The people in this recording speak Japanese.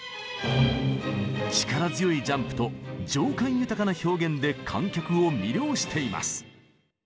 力強いジャンプと情感豊かな表現で観客を魅了しています。